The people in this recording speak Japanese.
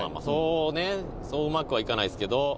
「そうねそううまくはいかないですけど」